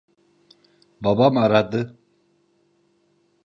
Babam aradı.